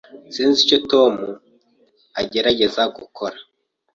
Sinzi icyo Tom agerageza gukora.